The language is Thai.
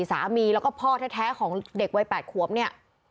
สามีแล้วก็พ่อแท้ของเด็กวัย๘ขวบเนี่ย